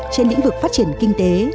trên lĩnh vực phát triển kinh tế